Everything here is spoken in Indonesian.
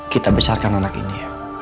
kita besarkan anak ini